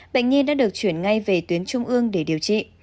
bệnh nhi đã được chuyển ngay về tuyến trung ương để điều trị